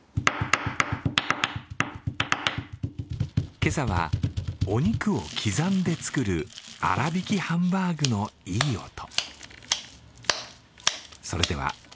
今朝はお肉を刻んで作る粗びきハンバーグのいい音。